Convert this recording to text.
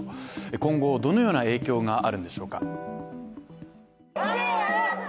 今後どのような影響があるんでしょうか。